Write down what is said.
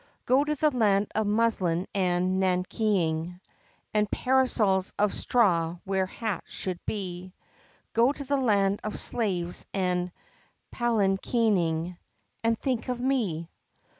Go to the land of muslin and nankeening, And parasols of straw where hats should be, Go to the land of slaves and palankeening, And think of me!